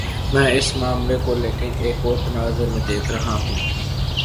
میں اس معاملے کو لیکن ایک اور تناظر میں دیکھ رہا ہوں۔